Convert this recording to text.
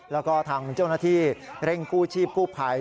แล้วก็ทางเจ้าหน้าที่เร่งกู้ชีพกู้ภัย